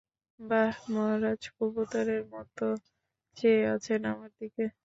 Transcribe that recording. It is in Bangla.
বাহ মহারাজ, কবুতরের মতো চেয়ে আছেন আমার দিকে।